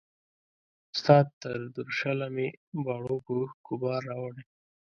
ستا تر درشله مي باڼو په اوښکو بار راوړی